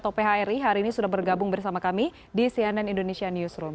atau phri hari ini sudah bergabung bersama kami di cnn indonesia newsroom